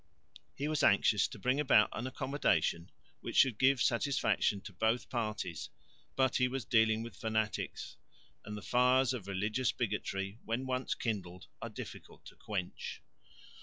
He was anxious to bring about an accommodation which should give satisfaction to both parties, but he was dealing with fanatics, and the fires of religious bigotry when once kindled are difficult to quench.